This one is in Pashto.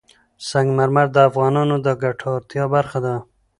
سنگ مرمر د افغانانو د ګټورتیا برخه ده.